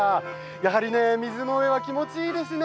やはりね、水の上は気持ちいいですね。